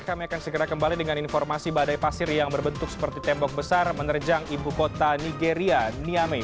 kami akan segera kembali dengan informasi badai pasir yang berbentuk seperti tembok besar menerjang ibu kota nigeria niame